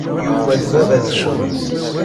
Yuba d baba-tkent.